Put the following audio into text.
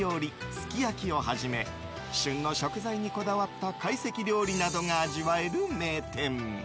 すき焼きをはじめ旬の食材にこだわった懐石料理などが味わえる名店。